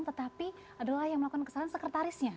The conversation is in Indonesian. tetapi adalah yang melakukan kesalahan sekretarisnya